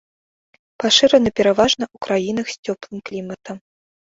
Пашыраны пераважна ў краінах з цёплым кліматам.